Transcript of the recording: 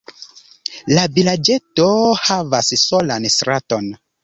La vilaĝeto havas solan straton.